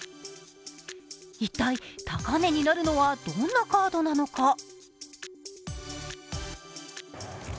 一体、高値になるのはどんなカードなのか。